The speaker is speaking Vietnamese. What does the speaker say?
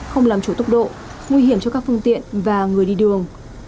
không làm chủ tốc độ nguy hiểm cho các phương tiện và người đi đường